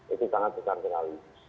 itu sangat besar terlalu